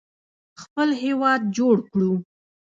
خپل هیواد جوړ کړو.